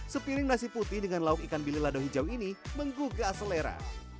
sepiring nasi putih dengan lauk ikan bili lado hijau ini menggugah selera